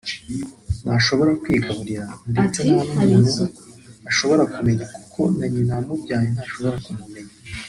ntashobora kwigaburira ndetse nta n’umuntu ashobora kumenya kuko na nyina wamubyaye ntashobora kumumenya